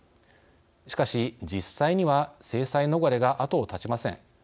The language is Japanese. しかし、実際には制裁逃れが後を絶ちません。